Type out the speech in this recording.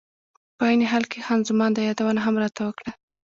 په عین حال کې خان زمان دا یادونه هم راته وکړه.